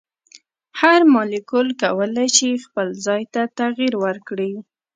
هر مالیکول کولی شي خپل ځای ته تغیر ورکړي.